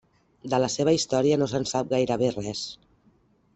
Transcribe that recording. De la seva història no se'n sap gairebé res.